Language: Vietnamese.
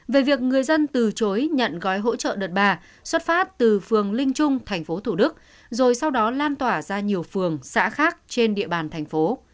về việc người dân từ chối nhận gói hỗ trợ đợt ba xuất phát từ phường linh trung tp thủ đức rồi sau đó lan tỏa ra nhiều phường xã khác trên địa bàn tp